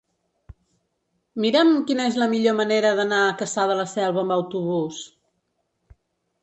Mira'm quina és la millor manera d'anar a Cassà de la Selva amb autobús.